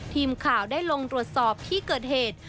ทีมข่าวได้ลงตรวจสอบที่เกิดเหตุ